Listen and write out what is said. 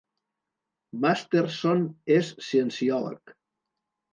Masterson és cienciòleg.